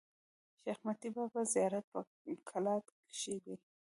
شېخ متي بابا زیارت په کلات کښي دﺉ.